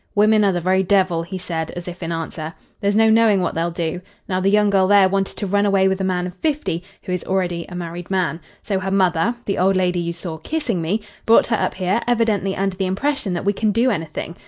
"Women are the very devil," he said as if in answer. "There's no knowing what they'll do. Now, the young girl there wanted to run away with a man of fifty, who is already a married man. So her mother the old lady you saw kissing me brought her up here, evidently under the impression that we can do anything.